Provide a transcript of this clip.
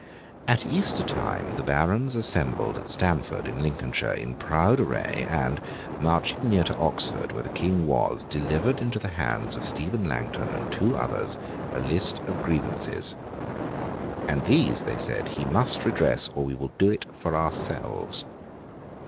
At Easter time, the Barons assembled at Stamford, in Lincolnshire, in proud array, and, marching near to Oxford where the King was, delivered into the hands of Stephen Langton and two others, a list of grievances. 'And these,' they said, 'he must redress, or we will do it for ourselves!